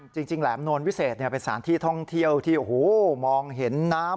จริงแหลมโนลวิเศษเนี่ยเป็นสารที่ท่องเที่ยวที่โอ้โหมองเห็นน้ำ